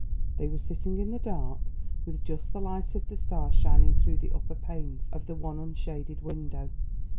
They were sitting in the dark, with just the light of the stars shining through the upper panes of the one unshaded window.